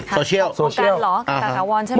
โซเชียลโรงการเหรอต่างกะวอนใช่มั้ย